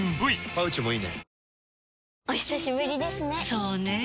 そうねぇ。